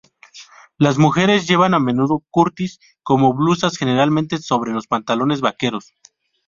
Las mujeres llevan a menudo kurtis como blusas, generalmente sobre los pantalones vaqueros.